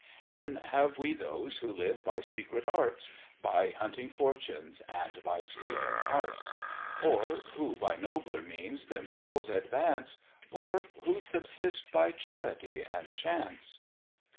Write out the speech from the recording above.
Then have we those who live by secret arts, By hunting fortunes, and by stealing hearts; Or who by nobler means themselves advance, Or who subsist by charity and chance.